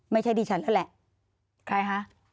ไม่ใช่ดีฉันแล้วแหละใครคะ